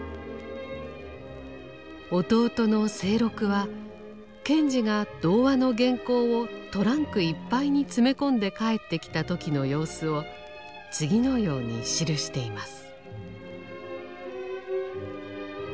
弟の清六は賢治が童話の原稿をトランクいっぱいに詰め込んで帰ってきた時の様子を次のように記しています。